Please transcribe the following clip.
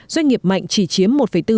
doanh nghiệp mạnh chỉ chiếm một bốn